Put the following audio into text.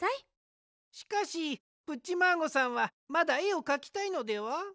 しかしプッチマーゴさんはまだえをかきたいのでは？